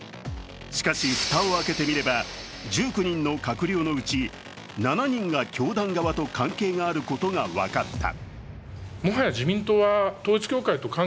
しかし、蓋を開けてみれば、１９人の閣僚のうち７人が教団側と関係があることが分かった。